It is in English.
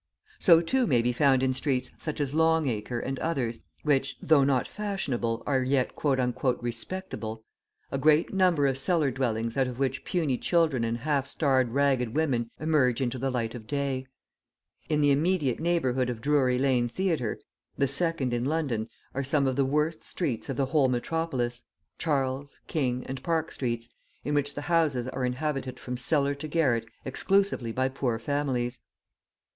So, too, may be found in streets, such as Long Acre and others, which, though not fashionable, are yet "respectable," a great number of cellar dwellings out of which puny children and half starved, ragged women emerge into the light of day. In the immediate neighbourhood of Drury Lane Theatre, the second in London, are some of the worst streets of the whole metropolis, Charles, King, and Park Streets, in which the houses are inhabited from cellar to garret exclusively by poor families.